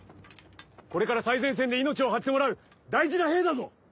これから最前線で命を張ってもらう大事な兵だぞ。